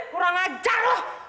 kurang ajar lo